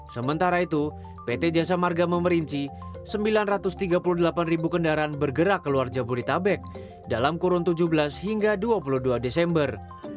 sementara itu pt jasa marga memerinci sembilan ratus tiga puluh delapan ribu kendaraan bergerak keluar jabodetabek dalam kurun tujuh belas hingga dua puluh dua desember